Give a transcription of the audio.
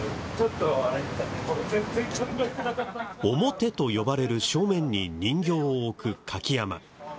「表」と呼ばれる正面に人形を置く舁き山笠。